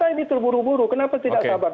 tapi kita ini terburu buru kenapa tidak sabar